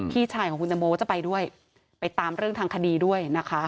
พี่ชายของคุณตังโมก็จะไปด้วยไปตามเรื่องทางคดีด้วยนะคะ